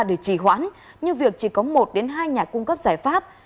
vì trì khoản như việc chỉ có một hai nhà cung cấp giải pháp